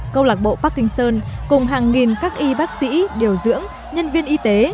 câu lạc bộ parkinson cùng hàng nghìn các y bác sĩ điều dưỡng nhân viên y tế